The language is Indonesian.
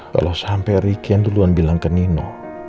kalau sampai rikian duluan bilang ke nino